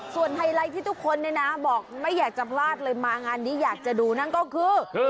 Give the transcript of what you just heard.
ส่วนไฮไลท์ที่ทุกคนเนี่ยนะบอกไม่อยากจะพลาดเลยมางานนี้อยากจะดูนั่นก็คือ